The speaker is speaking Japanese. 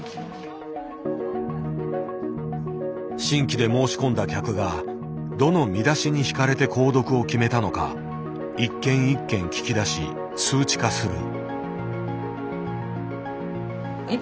新規で申し込んだ客がどの見出しに引かれて購読を決めたのか一件一件聞き出し数値化する。